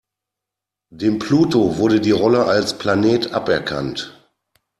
Dem Pluto wurde die Rolle als Planet aberkannt.